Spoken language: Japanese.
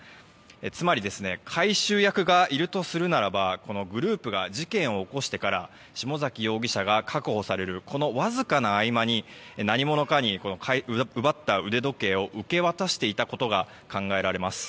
つまり、回収役がいるとするならグループが事件を起こしてから下崎容疑者が確保される、わずかな合間に何者かに奪った腕時計を受け渡していたことが考えられます。